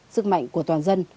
sức mạnh của toàn dân